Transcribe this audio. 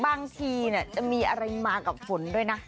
บางทีจะมีอะไรมากับฝนด้วยนะ